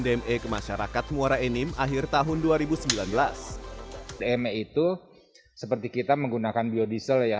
dme ke masyarakat muara enim akhir tahun dua ribu sembilan belas dme itu seperti kita menggunakan biodiesel yang